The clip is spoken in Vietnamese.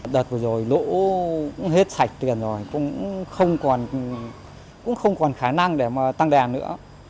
đợt vừa rồi lỗ cũng hết sạch tiền rồi cũng không còn khả năng để mà tăng đèn nữa